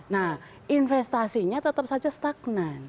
nah investasinya tetap saja stagnan